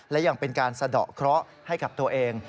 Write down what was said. และยังเป็นการสะดอกเคราะห์ให้กับตัวเอง